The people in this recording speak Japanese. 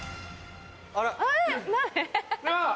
あら。